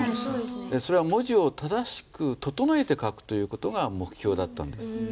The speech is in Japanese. それは文字を正しく整えて書くという事が目標だったんです。